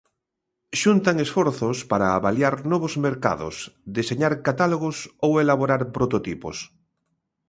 Xuntan esforzos para avaliar novos mercados, deseñar catálogos ou elaborar prototipos.